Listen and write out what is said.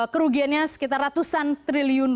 kerugiannya sekitar ratusan triliun